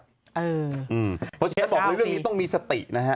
เพราะฉะนั้นบอกเลยเรื่องนี้ต้องมีสตินะฮะ